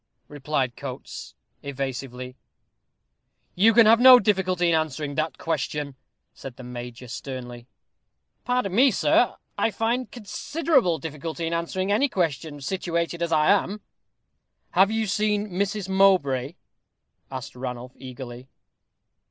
replied Coates, evasively. "You can have no difficulty in answering that question," said the major, sternly. "Pardon me, sir. I find considerable difficulty in answering any question, situated as I am." "Have you seen Miss Mowbray?" asked Ranulph, eagerly.